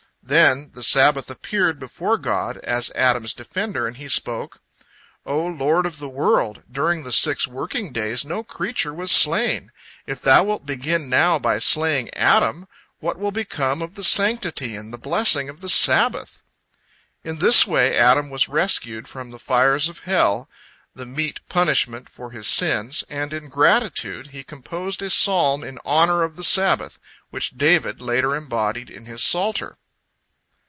Then the Sabbath appeared before God as Adam's defender, and he spoke: "O Lord of the world! During the six working days no creature was slain. If Thou wilt begin now by slaying Adam, what will become of the sanctity and the blessing of the Sabbath?" In this way Adam was rescued from the fires of hell, the meet punishment for his sins, and in gratitude he composed a psalm in honor of the Sabbath, which David later embodied in his Psalter.